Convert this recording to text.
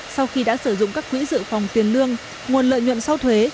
sau khi đã sử dụng các quỹ dự phòng tiền lương nguồn lợi nhuận sau thuế